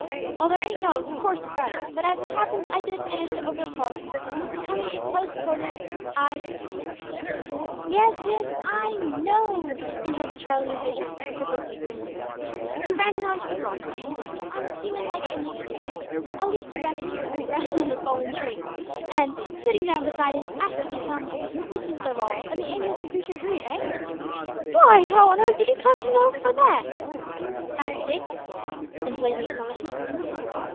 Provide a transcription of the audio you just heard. "Well, there ain't no `of course' about it, but as it happened, I did manage to overhaul her, and coming to close quarters, I " "Yes, yes, I know," interrupted Charlie a third time, with provoking coolness. "You ran her on to the rocks, Dick which was unseamanlike in the extreme at least you ran the dear aground on a fallen tree and, sitting down beside it, asked it to become Mrs Darvall, and the amiable creature agreed, eh?" "Why, how on earth did 'ee come for to know that?" asked Dick, in blazing astonishment.